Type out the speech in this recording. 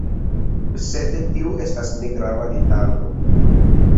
Sed tio estas negrava detalo.